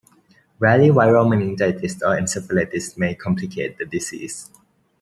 Rarely viral meningitis or encephalitis may complicate the disease.